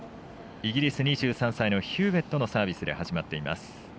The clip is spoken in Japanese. イギリス、２３歳のヒューウェットのサービスで始まっています。